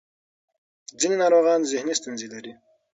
ځینې ناروغان ذهني ستونزې لري.